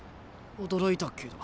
驚いたけど。